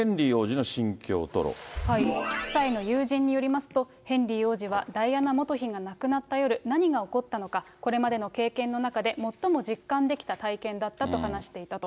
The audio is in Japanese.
で、夫妻の友人によりますと、ヘンリー王子はダイアナ元妃が亡くなった夜、何が起こったのか、これまでの経験の中でもっとも実感できた体験だったと話していたと。